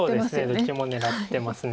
どっちも狙ってます。